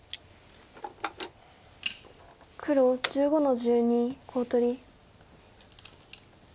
黒１５の十二コウ取り。